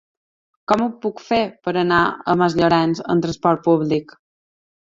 Com ho puc fer per anar a Masllorenç amb trasport públic?